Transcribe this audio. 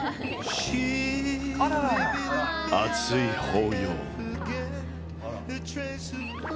熱い抱擁。